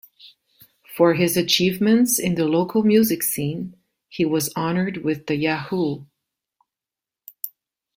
For his achievements in the local music scene, he was honoured with the Yahoo!